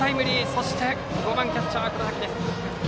そして５番キャッチャー黒崎です。